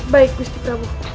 baik agusti prabu